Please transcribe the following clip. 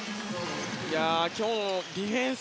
今日のディフェンス